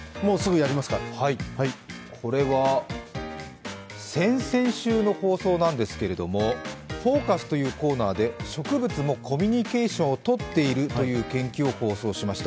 これは先々週の放送なんですけれども、「ＦＯＣＵＳ」というコーナーで植物もコミュニケーションをとっているという放送をしました。